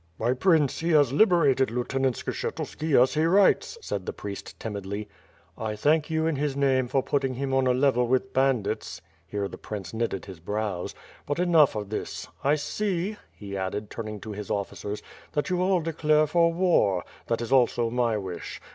"My Prince, he has liberated Lieutenant Skshetuski, as he writes/' said the priest timidly. "I thank you in his name for putting him on a level with bandits," here the prince knitted his brows, '^Dut enough of this. I see," he added, turning to his officers, "that you all declare for war. That is also my wish.